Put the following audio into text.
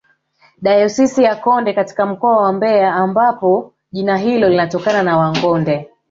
dayosisi ya konde katika mkoa wa mbeya ambapo jina hilo linatonana na wangonde